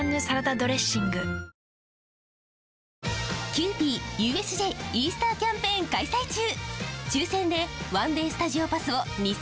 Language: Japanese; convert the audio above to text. キユーピーＵＳＪイースターキャンペーン開催中！